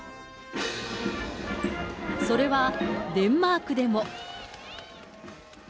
それは、デンマークでも。